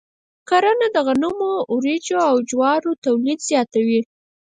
کرنه د غنمو، وريجو، او جوارو تولید زیاتوي.